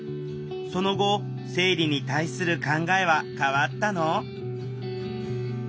その後生理に対する考えは変わったの？